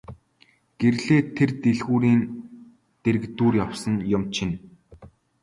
Гэрлээ тэр дэлгүүрийн дэргэдүүр явсан юм чинь.